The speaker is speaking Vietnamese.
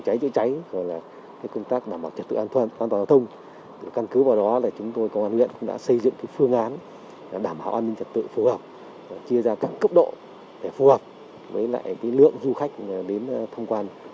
tại đây lực lượng cảnh sát giao thông cùng công an lực lượng hóa lư cũng đã chủ động